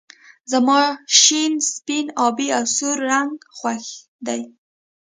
زما شين سپين آبی او سور رنګ خوښ دي